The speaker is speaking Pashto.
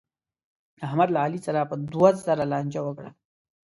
احمد له علي سره په دوه زره لانجه وکړه.